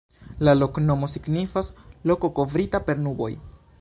La loknomo signifas: "Loko kovrita per nuboj".